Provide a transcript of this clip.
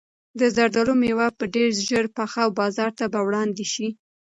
د زردالو مېوه به ډېر ژر پخه او بازار ته به وړاندې شي.